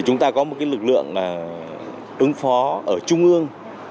chúng ta có một lực lượng ứng phó ở trung ương